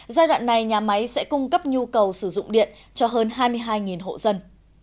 giai đoạn này nhà máy sẽ cung cấp nhu cầu sử dụng điện cho hơn hai mươi hai hộ dân